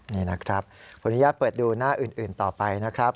นี่นะครับขออนุญาตเปิดดูหน้าอื่นต่อไปนะครับ